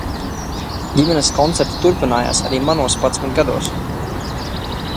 Ģimenes koncerti turpinājās arī manos padsmit gados.